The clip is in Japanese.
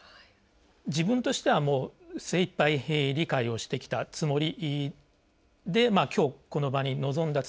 自分としては精いっぱい理解をしてきたつもりで今日この場に臨んだつもりだったんですけども